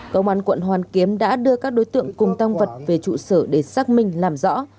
công an quận hoàn kiếm đã đưa các đối tượng cùng tăng vật về trụ sở để xác minh làm rõ